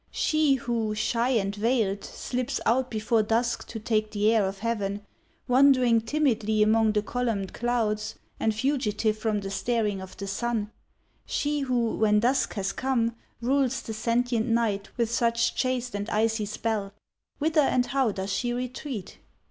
She, who, shy and veiled, slips out before dusk to take the air of heaven, wandering timidly among the columned clouds, and fugitive from the staring of the sun; she, who, when dusk has come, rules the sentient night with such chaste and icy spell—whither and how does she retreat?